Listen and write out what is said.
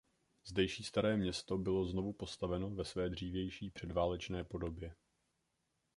Zdejší Staré město bylo znovu postaveno ve své dřívější předválečné podobě.